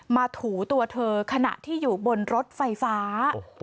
ถูตัวเธอขณะที่อยู่บนรถไฟฟ้า